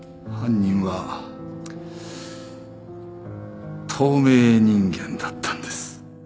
犯人は透明人間だったんです